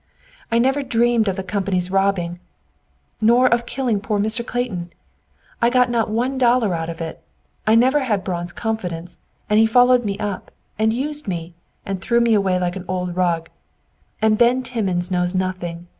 "I never dreamed of the company's robbing, nor of killing poor Mr. Clayton. I got not one dollar out of it. I never had Braun's confidence, and he followed me up, and used me, and threw me away like an old rug. And Ben Timmins knows nothing.